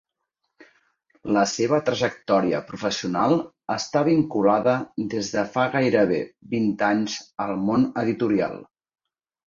La seva trajectòria professional està vinculada des de fa gairebé vint anys al món editorial.